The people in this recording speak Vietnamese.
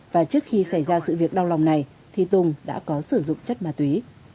và trước khi xảy ra sự việc đau lòng này thì tùng đã có sử dụng chất ma túy